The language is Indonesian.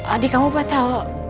adi kamu batal